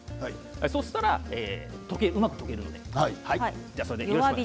そしたら、うまく溶けるので。